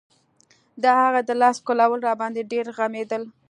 د هغه د لاس ښکلول راباندې ډېر غمېدل.